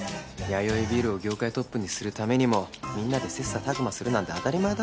弥生ビールを業界トップにするためにもみんなで切磋琢磨するなんて当たり前だろ。